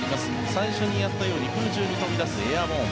最初にやった空中に飛び出すエアボーン。